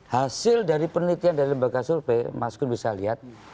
hasil dari penelitian dari lembaga survei mas gun bisa lihat